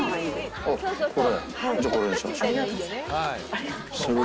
はい。